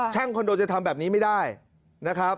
คอนโดจะทำแบบนี้ไม่ได้นะครับ